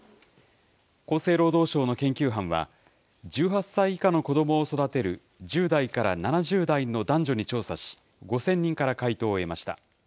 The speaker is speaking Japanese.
厚生労働省の研究班は、１８歳以下の子どもを育てる１０代から７０代の男女に調査し、５０００人から回答を得ました。